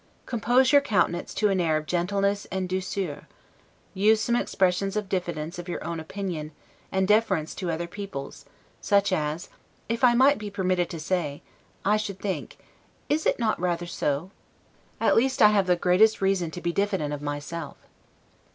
Compose your countenance to an air of gentleness and 'douceur', use some expressions of diffidence of your own opinion, and deference to other people's; such as, "If I might be permitted to say I should think Is it not rather so? At least I have the greatest reason to be diffident of myself."